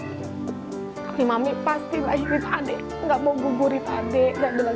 tapi mami pasti lahir adik gak mau gugur adik gak bilang gitu